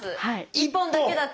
１本だけだと。